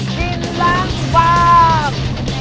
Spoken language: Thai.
กินล้างบาง